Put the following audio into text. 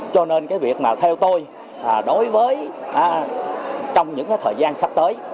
cho nên cái việc mà theo tôi đối với trong những thời gian sắp tới